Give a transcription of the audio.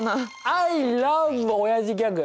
アイラヴおやじギャグ。